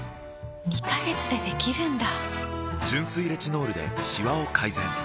２カ月でできるんだ！